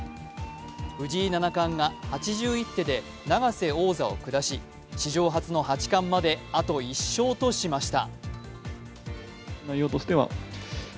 藤井七冠が８１手で永瀬王座を下し史上初の八冠まであと１勝としました。